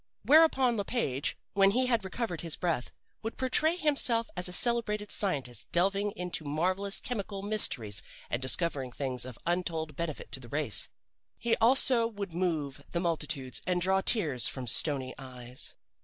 Whereupon Le Page, when he had recovered his breath, would portray himself as a celebrated scientist delving in marvelous chemical mysteries and discovering things of untold benefit to the race. He also would move the multitudes and draw tears from stony eyes.